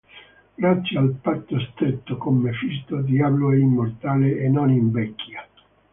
Grazie al patto stretto con Mefisto, Diablo è immortale e non invecchia.